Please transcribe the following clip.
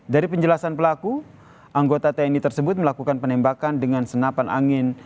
dari penjelasan pelaku anggota tni tersebut melakukan penembakan dengan senapan angin